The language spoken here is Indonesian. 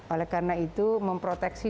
oleh karena itu memproteksi